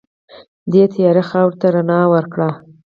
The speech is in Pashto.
دې تیاره خاورې ته رڼا ورکړه.